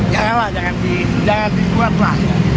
janganlah jangan di jangan di kuatlah